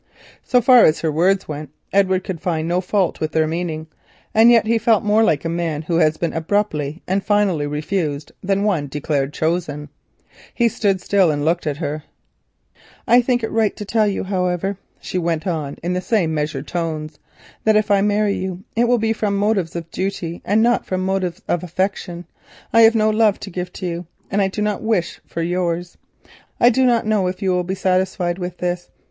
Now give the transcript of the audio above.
So far as her words went, Edward could find no fault with their meaning, and yet he felt more like a man who has been abruptly and finally refused than one declared chosen. He stood still and looked at her. "I think it right to tell you, however," she went on in the same measured tones, "that if I marry you it will be from motives of duty, and not from motives of affection. I have no love to give you and I do not wish for yours. I do not know if you will be satisfied with this.